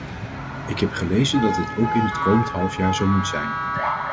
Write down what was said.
Ik heb gelezen dat dit ook in het komende halfjaar zo moet zijn.